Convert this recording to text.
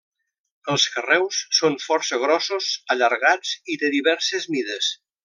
Els carreus són força grossos, allargats i de diverses mides.